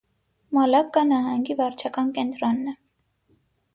Մալակկա նահանգի վարչական կենտրոնն է։